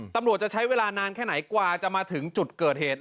ตำรวจจะใช้เวลานานแค่ไหนกว่าจะมาถึงจุดเกิดเหตุ